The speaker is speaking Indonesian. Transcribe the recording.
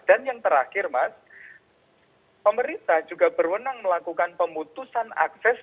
dan yang terakhir mas pemerintah juga berwenang melakukan pemutusan akses